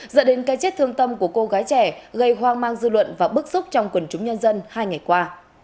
dẫn đến cái chết thương tâm của cô gái trẻ gây hoang mang dư luận và bức xúc trong quần chúng nhân dân hai ngày qua